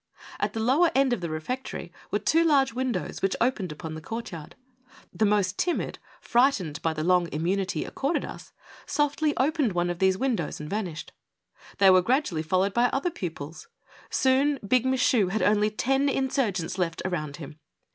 At the lower end of the refectory were two large win dows, which opened upon the court yard. The most timid, frightened by the long immunity accorded us, softly opened one of these windows and vanished. They were gradually followed by other pupils. Soon Big Michu had only ten insurgents left around him.